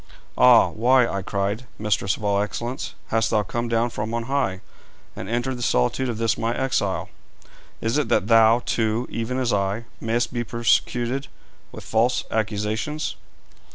'Ah! why,' I cried, 'mistress of all excellence, hast thou come down from on high, and entered the solitude of this my exile? Is it that thou, too, even as I, mayst be persecuted with false accusations?'